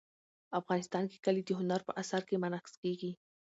افغانستان کې کلي د هنر په اثار کې منعکس کېږي.